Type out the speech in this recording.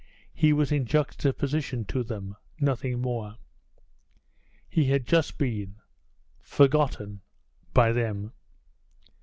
He was in juxtaposition to them, nothing more. He had just been forgotten by them.